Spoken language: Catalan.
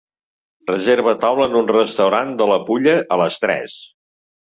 Reserva taula en un restaurant de la Pulla a les tres